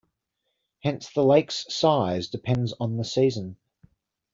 Hence the lake's size depends on the season.